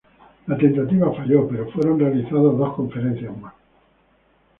La tentativa falló, pero fueron realizadas dos conferencias más.